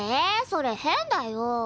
それ変だよ。